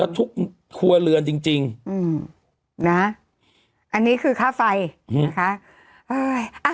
แล้วทุกครัวเรือนจริงจริงอืมนะอันนี้คือค่าไฟอืมนะคะเอ่ออ่ะ